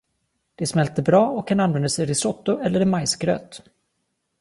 Det smälter bra, och kan användas i risotto eller i majsgröt.